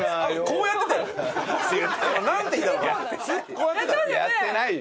こうやってたよ。